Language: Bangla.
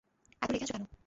এত রেগে আছো কেন?